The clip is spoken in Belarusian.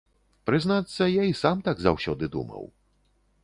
Прызнацца, я і сам так заўсёды думаў.